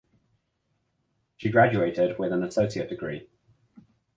She graduated with an associate degree.